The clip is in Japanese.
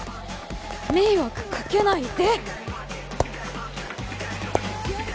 迷惑かけないで！」